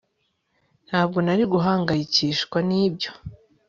Ntabwo nari guhangayikishwa nibyo